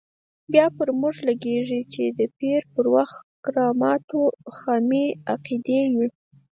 بیا پر موږ لګېږي چې د پیر پر کراماتو خامې عقیدې یو.